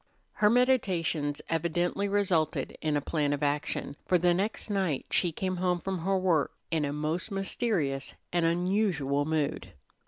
Her meditations evidently resulted in a plan of action, for the next night she came home from her work in a most mysterious and unusual mood.